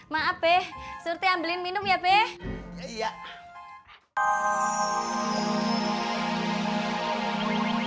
maaf be surte ambelin minum ya bawang